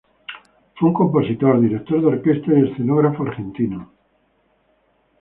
Fue un compositor, director de orquesta y escenógrafo argentino.